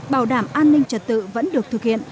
bảo đảm an ninh trật tự vẫn được thực hiện